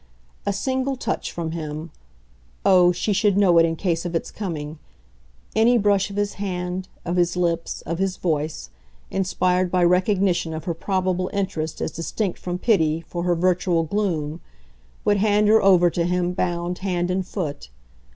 A single touch from him oh, she should know it in case of its coming! any brush of his hand, of his lips, of his voice, inspired by recognition of her probable interest as distinct from pity for her virtual gloom, would hand her over to him bound hand and foot.